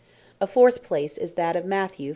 A fourth place is that of Mat. 5.